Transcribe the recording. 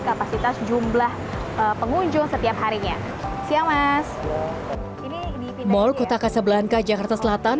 kapasitas jumlah pengunjung setiap harinya siang mas ini ini di mall kota kasablanca jakarta selatan